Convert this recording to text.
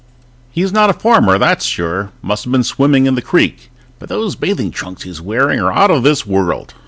_He's not a farmer, that's sure ... must have been swimming in the creek, but those bathing trunks he's wearing are out of this world!